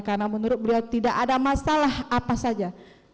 karena menurut beliau tidak ada masalah apa saja